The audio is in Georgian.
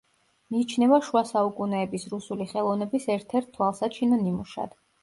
მიიჩნევა შუა საუკუნეების რუსული ხელოვნების ერთ-ერთ თვალსაჩინო ნიმუშად.